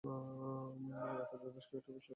রাতের বেলা বেশ কয়েকটা পৃষ্ঠা লিখে ফেললেন।